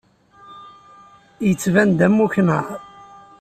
Yettban-d am uknar.